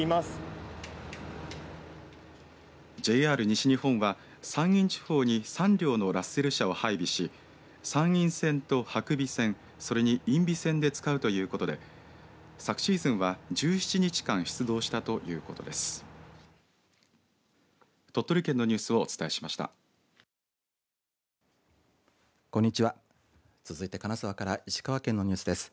ＪＲ西日本は山陰地方に３両のラッセル車を配備し山陰線と伯備線それに因美線で使うということで昨シーズンは１７日間出動したということです。